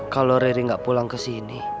kalau riri nggak pulang kesini